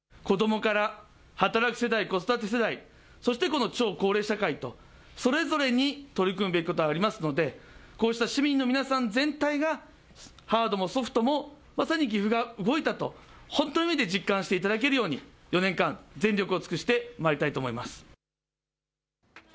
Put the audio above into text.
子どもから働く世代、子育て世代、そしてこの超高齢化社会とそれぞれに取り組むべきことがありますのでこうした市民の皆さん全体がハードもソフトもまさに岐阜が動いたと本当の意味で実感していただけるように４年間全力を尽くしてまいりたいと思います。